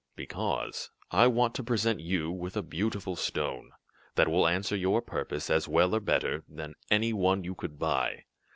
"Because I want to present you with a beautiful stone, that will answer your purpose as well or better, than any one you could buy.